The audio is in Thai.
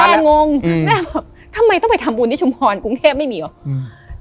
งงอืมแม่แบบทำไมต้องไปทำบุญที่ชุมพรกรุงเทพไม่มีหรออืม